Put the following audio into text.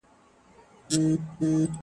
زه وايم دا.